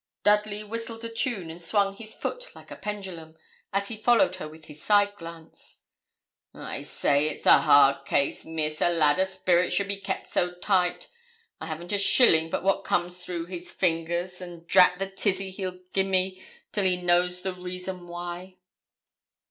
Dudley whistled a tune, and swung his foot like a pendulum, as he followed her with his side glance. 'I say, it is a hard case, Miss, a lad o' spirit should be kept so tight. I haven't a shilling but what comes through his fingers; an' drat the tizzy he'll gi' me till he knows the reason why.'